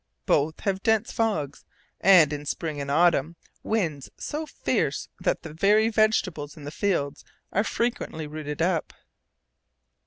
Both have dense fogs, and, in spring and autumn, winds so fierce that the very vegetables in the fields are frequently rooted up.